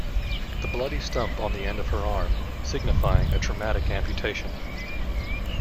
The bloody stump on the end of her arm, signifying a traumatic amputation.